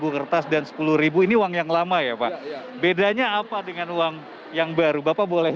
kertas dan sepuluh ini uang yang lama ya pak bedanya apa dengan uang yang baru bapak boleh